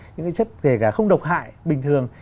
những cái chất kể cả không độc hại bình thường